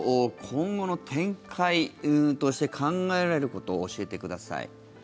今後の展開として考えられることを教えてください。